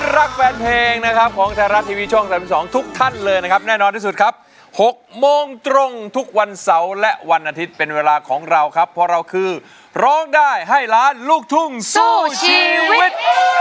ร้องได้ให้ล้านลูกทุ่งสู้ชีวิต